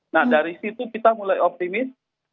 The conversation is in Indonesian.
nah dari situ kita mulai optimis